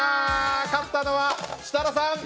勝ったのは、設楽さん。